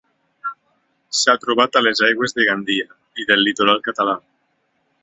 S'ha trobat a les aigües de Gandia i del litoral català.